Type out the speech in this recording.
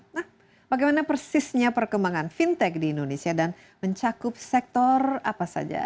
nah bagaimana persisnya perkembangan fintech di indonesia dan mencakup sektor apa saja